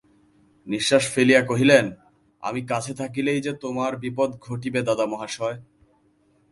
নিশ্বাস ফেলিয়া কহিলেন, আমি কাছে থাকিলেই যে তোমার বিপদ ঘটিবে দাদামহাশয়।